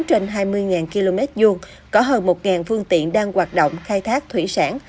trên hai mươi km hai có hơn một phương tiện đang hoạt động khai thác thủy sản